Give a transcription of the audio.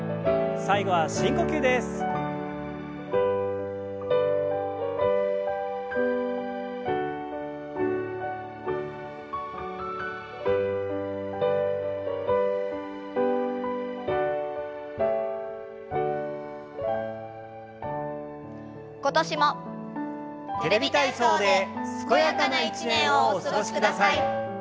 「テレビ体操」で健やかな一年をお過ごしください。